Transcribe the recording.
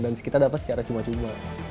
dan kita dapat secara cuma cuma